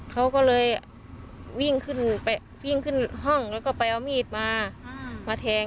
เขาก็เลยวิ่งขึ้นไปวิ่งขึ้นห้องแล้วก็ไปเอามีดมามาแทง